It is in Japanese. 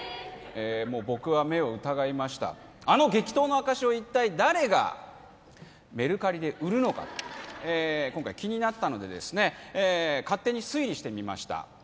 僕は目を疑いましたあの激闘の証を一体誰がメルカリで売るのかと今回気になったのでですね勝手に推理してみました